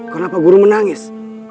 kenapa guru menangis